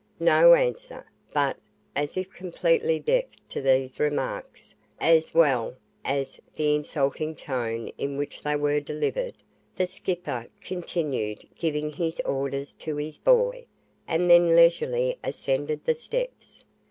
No answer; but, as if completely deaf to these remarks, as well as the insulting tone in which they were delivered, the "skipper" continued giving his orders to his boy, and then leisurely ascended the steps.